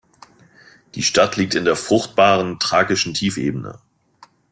Die Stadt liegt in der fruchtbaren thrakischen Tiefebene.